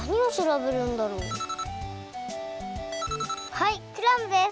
はいクラムです！